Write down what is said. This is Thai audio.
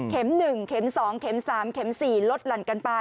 เข็มหนึ่งเข็มสองเข็มสามเข็มสี่ลดหลั่นกันไป